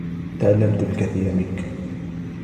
تعلمت الكثير منك.